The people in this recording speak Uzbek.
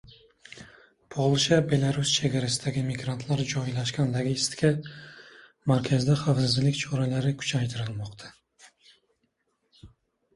Polsha-Belarus chegarasidagi migrantlar joylashgan logistika markazida xavfsizlik choralarini kuchaytirilmoqda